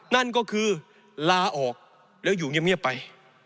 นั่นก็คือลาออกแล้วอยู่เงียบไป